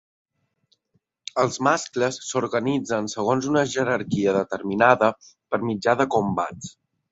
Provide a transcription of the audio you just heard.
Els mascles s'organitzen segons una jerarquia determinada per mitjà de combats.